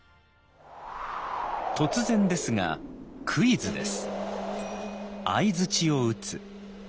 突然ですがクイズです。